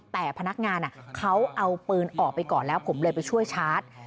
แต่พนักงานเขาเอาปืนออกไปก่อนแล้วผมเลยไปช่วยชาร์จ